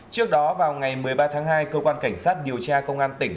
trước đó vào ngày một mươi ba tháng hai cơ quan cảnh sát điều tra công an tỉnh